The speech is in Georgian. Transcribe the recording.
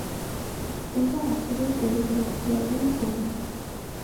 გვხვდება ასევე პერიგლაციალური ფორმები.